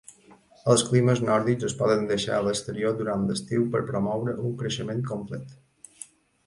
En climes nòrdics es poden deixar a l'exterior durant l'estiu per promoure un creixement complet.